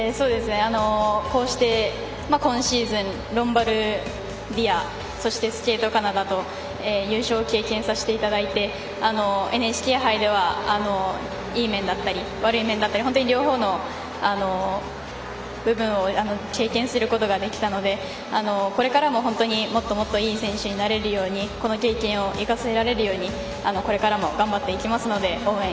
こうして今シーズンロンバルディアそしてスケートカナダと優勝を経験させていただいてＮＨＫ杯では、いい面だったり悪い面だったり両方の部分を経験することができたのでこれからも本当にもっともっといい選手になれるようにこの経験をいかせられるようにこれからも頑張っていきますので応援